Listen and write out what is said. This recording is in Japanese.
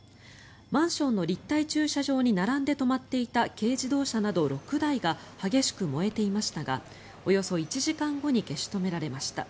マンションの立体駐車場に並んで止まっていた軽自動車など６台が激しく燃えていましたがおよそ１時間後に消し止められました。